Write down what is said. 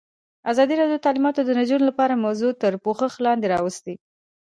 ازادي راډیو د تعلیمات د نجونو لپاره موضوع تر پوښښ لاندې راوستې.